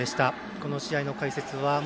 この試合の解説は元